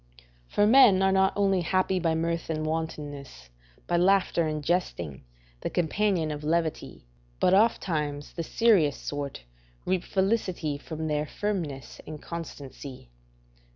["For men are not only happy by mirth and wantonness, by laughter and jesting, the companion of levity, but ofttimes the serious sort reap felicity from their firmness and constancy."